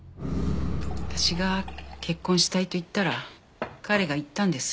私が結婚したいと言ったら彼が言ったんです。